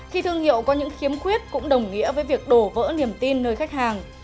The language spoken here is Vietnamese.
khi thương hiệu có những khiếm khuyết cũng đồng nghĩa với việc đổ vỡ niềm tin nơi khách hàng